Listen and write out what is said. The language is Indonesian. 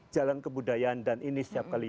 jalan kebudayaan dan ini setiap kali